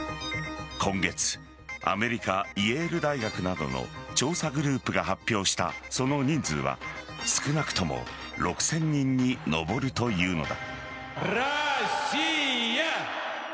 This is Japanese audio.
今月、アメリカイェール大学などの調査グループが発表したその人数は少なくとも６０００人に上るというのだ。